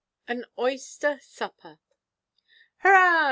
AN OYSTER SUPPER. "Hurrah!"